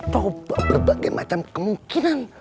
tau berbagai macam kemungkinan